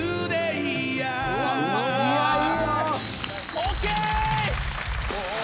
ＯＫ！